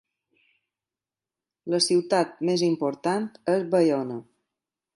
La ciutat més important és Baiona.